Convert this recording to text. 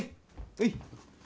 はい